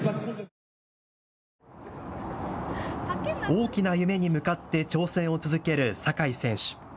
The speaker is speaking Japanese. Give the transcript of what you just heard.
大きな夢に向かって挑戦を続ける酒井選手。